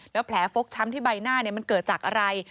แล้วแผลฟกช้ำที่ใบหน้ามันเกิดจากอะไร